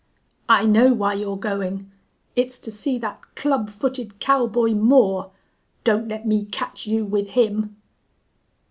"I know why you're going. It's to see that club footed cowboy Moore!... Don't let me catch you with him!"